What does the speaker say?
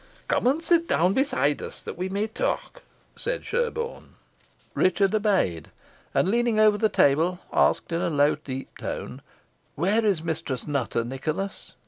"Come and sit down beside us, that we may talk," said Sherborne. Richard obeyed, and, leaning over the table, asked in a low deep tone, "Where is Mistress Nutter, Nicholas?"